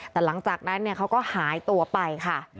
แต่หลังจากนั้นเขาก็หายตัวไปค่ะ